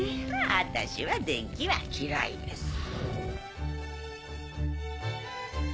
私は電気は嫌いです。